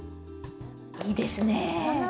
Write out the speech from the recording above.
いいですね。